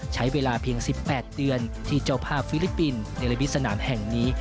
ใช้เวลาเพียง๑๘เดือนที่เจ้าภาพฟิลิปปินส์ในระบิสนามแห่งนี้